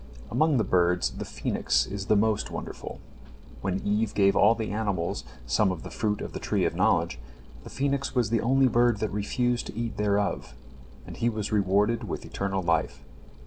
Among the birds the phoenix is the most wonderful. When Eve gave all the animals some of the fruit of the tree of knowledge, the phoenix was the only bird that refused to eat thereof, and he was rewarded with eternal life.